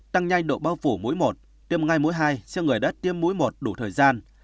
tăng nhanh độ bao phủ mỗi một tiêm ngay mũi hai cho người đã tiêm mũi một đủ thời gian